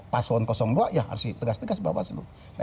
paslon dua ya harus di tegas tegas bawasuh